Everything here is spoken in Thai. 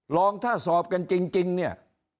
ลองถ้าสอบกันจริงเนี่ย